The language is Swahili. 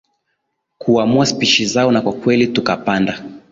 kuamua spishi zao na kwa kweli tukapanda